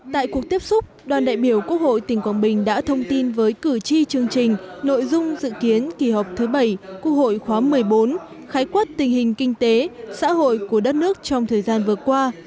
tại cuộc tiếp xúc đoàn đại biểu quốc hội tỉnh quảng bình đã thông tin với cử tri chương trình nội dung dự kiến kỳ họp thứ bảy quốc hội khóa một mươi bốn khái quát tình hình kinh tế xã hội của đất nước trong thời gian vừa qua